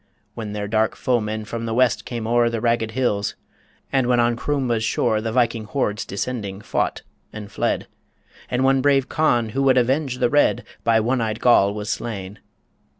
When their dark foemen from the west came o'er The ragged hills, and when on Croumba's shore The Viking hordes descending, fought and fled And when brave Conn, who would avenge the Red, By one eyed Goll was slain.